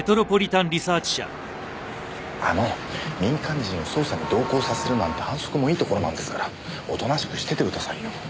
あの民間人を捜査に同行させるなんて反則もいいところなんですからおとなしくしててくださいよ。